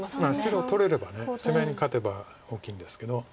白取れれば攻め合いに勝てば大きいんですけど。